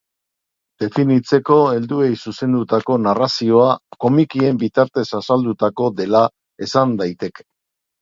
Definitzeko helduei zuzendutako narrazioa komikien bitartez azaldutako dela esan daiteke.